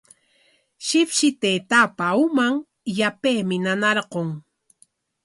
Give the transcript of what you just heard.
Shipshi taytaapa uman yapaymi nanarqun.